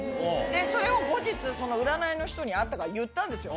それを後日その占いの人に会ったから言ったんですよ。